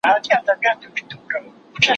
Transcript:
په خوښۍ مستي یې ورځي تېرولې